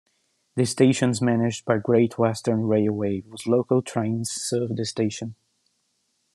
The station is managed by Great Western Railway, whose local trains serve the station.